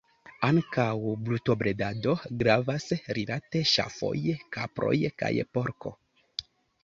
Ankaŭ brutobredado gravas rilate ŝafoj, kaproj kaj porko.